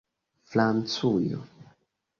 Francujo